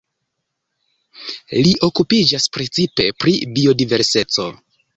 Li okupiĝas precipe pri biodiverseco.